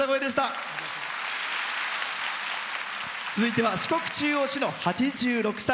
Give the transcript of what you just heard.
続いては、四国中央市の８６歳。